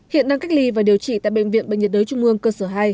hiện đang cách ly và điều trị tại bệnh viện bệnh nhiệt đới trung ương cơ sở hai